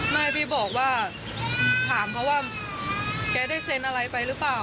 ไม่พี่บอกว่าถามเขาว่าแกได้เซ็นอะไรไปหรือเปล่า